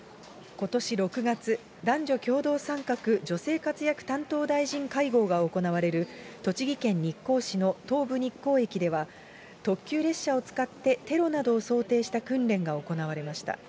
ことし６月、男女共同参画・女性活躍担当大臣会合が行われる、栃木県日光市の東武日光駅では、特急列車を使って、テロなどを想定した訓練が行われました。